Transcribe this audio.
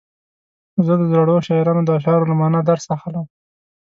زه د زړو شاعرانو د اشعارو له معنا درس اخلم.